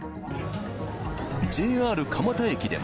ＪＲ蒲田駅でも。